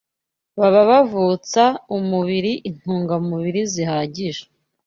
baba bavutsa umubiri intungamubiri zihagije